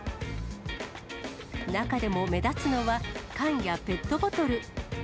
中でも目立つのは、缶やペットボトル。